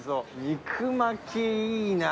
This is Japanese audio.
肉巻き。